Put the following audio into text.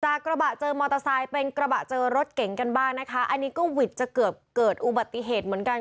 กระบะเจอมอเตอร์ไซค์เป็นกระบะเจอรถเก๋งกันบ้างนะคะอันนี้ก็หวิดจะเกือบเกิดอุบัติเหตุเหมือนกัน